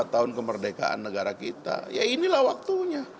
dua puluh tahun kemerdekaan negara kita ya inilah waktunya